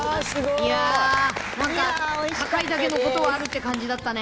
いやー、本当、高いだけのことはあるって感じだったね。